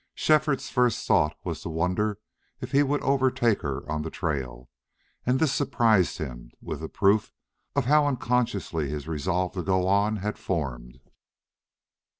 Shefford's first thought was to wonder if he would overtake her on the trail; and this surprised him with the proof of how unconsciously his resolve to go on had formed.